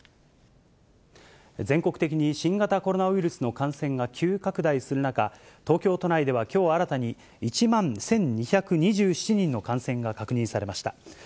全国的に新型コロナウイルスの感染が急拡大する中、東京都内ではきょう新たに、１万１２２７人の感染が確認されました。